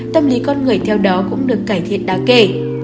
tâm lý con người theo đó cũng được cải thiện đáng kể